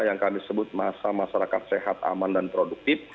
yang kami sebut masa masyarakat sehat aman dan produktif